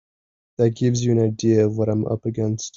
That gives you an idea of what I'm up against.